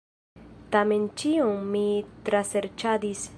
Tamen ĉion mi traserĉadis.